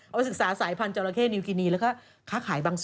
เอาศึกษาสายพันธราเข้นิวกินีแล้วก็ค้าขายบางส่วน